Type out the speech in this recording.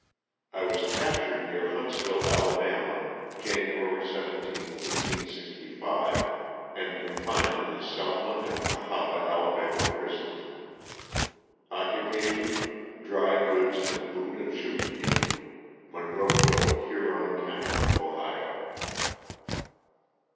I was captured near Huntsville, Ala., January 17, 1865, and confined in the Selma and Cahaba, Ala., prisons. Occupation, dry goods and boot and shoe dealer, Monroeville, Huron county, Ohio.